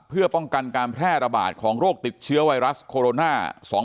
เพื่อป้องกันการแพร่ระบาดของโรคติดเชื้อไวรัสโคโรนา๒๕๖